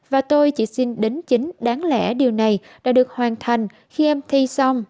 và tôi chỉ xin đính chính đáng lẽ điều này đã được hoàn thành khi em thi xong